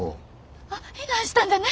あっ避難したんじゃね？